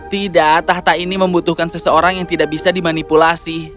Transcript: tidak tahta ini membutuhkan seseorang yang tidak bisa dimanipulasi